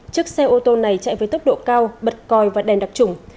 chức xe ô tô này chạy với tốc độ cao bật còi và đèn đặc trùng